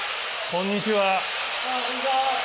こんにちは。